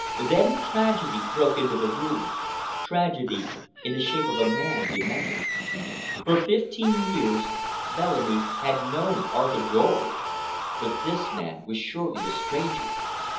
Then tragedy broke into the room, tragedy in the shape of a man demented. For fifteen years Bellamy had known Arthur Dorward, but this man was surely a stranger!